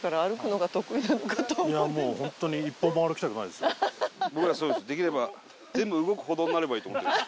できれば全部動く歩道になればいいと思ってるんです